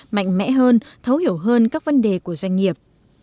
mạnh mẽ hơn thấu hiểu hơn các vấn đề của doanh nghiệp